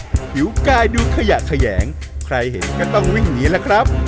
ผิวกายดูขยะแขยงใครเห็นก็ต้องวิ่งหนีล่ะครับ